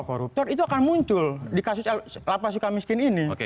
koruptor itu akan muncul di kasus lapas suka miskin ini